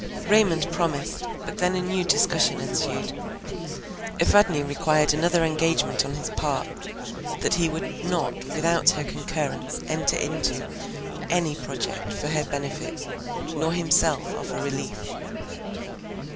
Raymond promised; but then a new discussion ensued. Evadne required another engagement on his part, that he would not without her concurrence enter into any project for her benefit, nor himself offer relief.